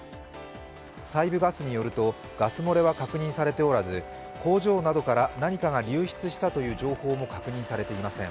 西部ガスによると、ガス漏れは確認されておらず、工場などから何かが流出したという情報も確認されていません。